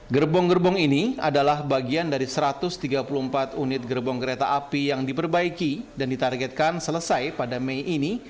gerbong gerbong ini adalah bagian dari satu ratus tiga puluh empat unit gerbong kereta api yang diperbaiki dan ditargetkan selesai pada mei ini